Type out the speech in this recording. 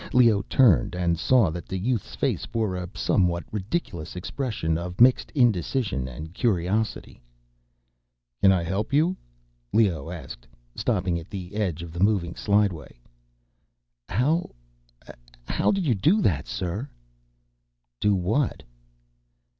Leoh turned and saw that the youth's face bore a somewhat ridiculous expression of mixed indecision and curiosity. "Can I help you?" Leoh asked, stopping at the edge of the moving slideway. "How ... how did you do that, sir?" "Do what?"